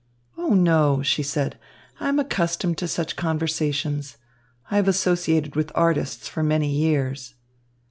"Oh, no," she said, "I am accustomed to such conversations. I have associated with artists for many years."